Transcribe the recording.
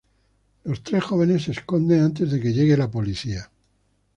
Los tres jóvenes se esconden antes de que llegue la policía.